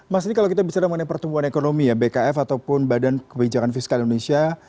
mas ini kalau kita bicara mengenai pertumbuhan ekonomi ya bkf ataupun badan kebijakan fiskal indonesia